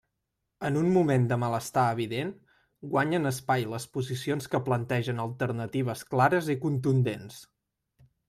En un moment de malestar evident guanyen, espai les posicions que plantegen alternatives clares i contundents.